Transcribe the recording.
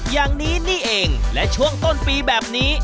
อย่างนี้นี่เองและช่วงต้นปีแบบนี้